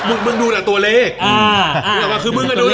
มันแเลยดูเดียวแม้ยังดูบอล